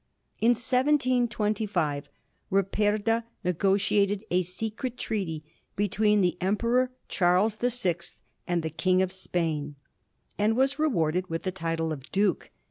In 1726 Ripperda nego tiated a secret treaty between the Emperor, Chai'les the Sixth, and the Bang of Spain, and was rewarded with the title of duke.